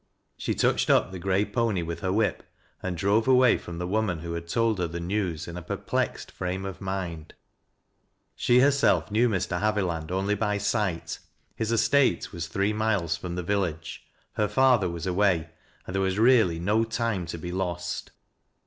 She touched up the gray pony with her whip, and drove away from the woman who had told her the news, in a perplexed frame of mind. She herself knew Mr. Haviland only by siglit, bis estate was three miles from the village, her father waa ftway, and there was really no time to be lost.